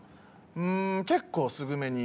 うーん結構すぐめに。